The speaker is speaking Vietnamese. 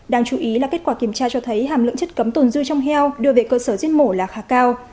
đáng chú ý là kết quả kiểm tra cho thấy hàm lượng chất cấm tồn dư trong heo đưa về cơ sở giết mổ là khá cao